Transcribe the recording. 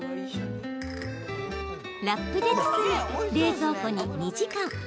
ラップで包み冷蔵庫に２時間。